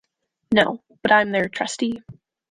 No, but I'm their trustee.